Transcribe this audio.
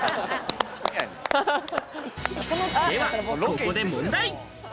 では、ここで問題。